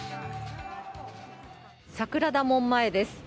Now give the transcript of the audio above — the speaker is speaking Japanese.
桜田門前です。